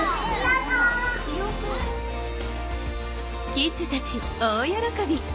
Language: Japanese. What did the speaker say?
キッズたち大喜び！